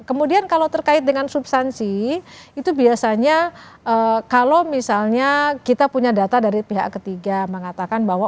kemudian kalau terkait dengan substansi itu biasanya kalau misalnya kita punya data dari pihak ketiga mengatakan bahwa